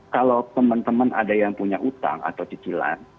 kalau teman teman ada yang punya utang atau cicilan